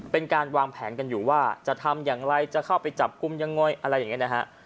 เป็นการวางแผนกันอยู่ว่าจะทำอย่างไรจะเข้าไปจับกลุ่มยังไงอะไรอย่างนี้นะฮะ